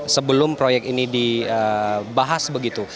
sebelum proyek ini dibahas begitu